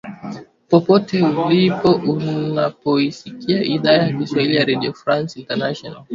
popote ulipo unapoisikiliza idhaa ya kiswahili ya redio france international